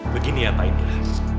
begini ya pak indra